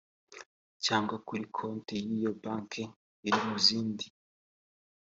cyangwa kuri konti y iyo banki iri mu zindi